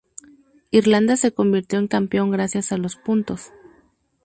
Irlanda se convirtió en campeón gracias a los puntos.